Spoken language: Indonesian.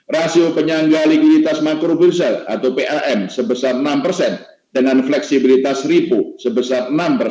rasio penyangga likuiditas makrobrusel atau pam sebesar enam dengan fleksibilitas ripo sebesar enam